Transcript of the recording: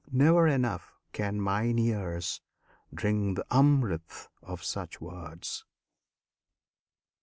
Never enough Can mine ears drink the Amrit[FN#18] of such words!